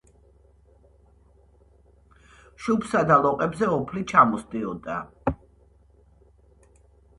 შუბლსა და ლოყებზე ოფლი ჩამოსდიოდა.